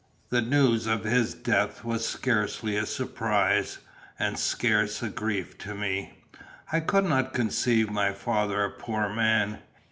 The news of his death was scarcely a surprise and scarce a grief to me. I could not conceive my father a poor man.